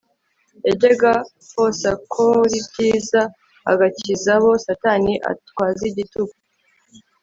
Yajyaga hosakoribyiza agakizabo Satani atwazigitugu